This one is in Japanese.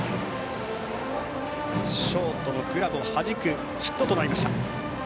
ショートのグラブをはじくヒットとなりました。